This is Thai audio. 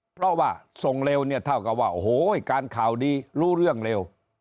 เพราะว่าส่งเร็วเนี่ยเท่ากับว่าโอ้โหการข่าวดีรู้เรื่องเร็ว